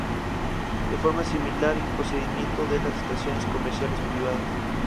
De forma similar al procedimiento de las estaciones comerciales privadas.